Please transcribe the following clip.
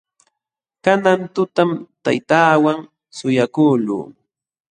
Kanan tutam taytaawan suyakuqluu.